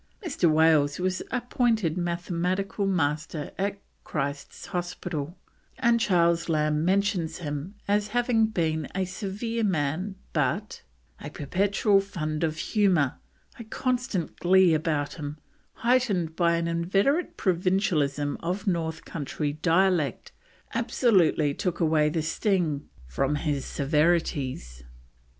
Mr. Wales was appointed Mathematical Master at Christ's Hospital, and Charles Lamb mentions him as having been a severe man but: "a perpetual fund of humour, a constant glee about him, heightened by an inveterate provincialism of North Country dialect, absolutely took away the sting from his severities."